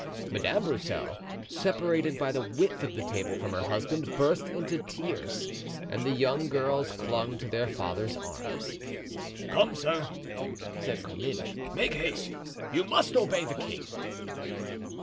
Madame Broussel, separated by the width of the table from her husband, burst into tears, and the young girls clung to their father's arms. "Come, sir," said Comminges, "make haste; you must obey the king."